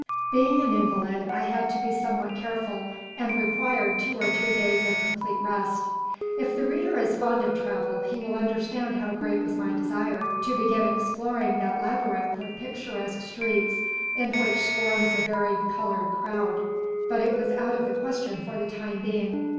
Being an invalid, I had to be somewhat careful, and required two or three days of complete rest. If the reader is fond of travel, he will understand how great was my desire to begin exploring that labyrinth of picturesque streets in which swarms a vari coloured crowd, but it was out of the question for the time being.